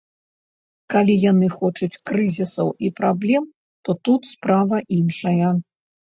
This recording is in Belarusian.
Калі яны хочуць крызісаў і праблем, то тут справа іншая.